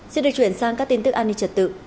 xin được chuyển sang các tin tức an ninh trật tự